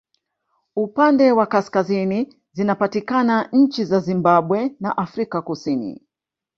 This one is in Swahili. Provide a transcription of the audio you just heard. Upande wa kusini zinapatikana nchi za Zimbabwe na Afrika kusini